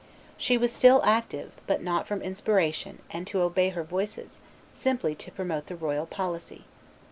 She was still active, but not from inspiration and to obey her voices, simply to promote the royal policy.